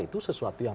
itu sesuatu yang